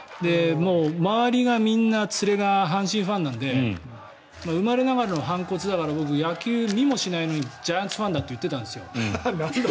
周りがみんな連れが阪神ファンなので生まれながらの反骨だから僕、野球を見にしないのにジャイアンツファンだって言ってたんですよ。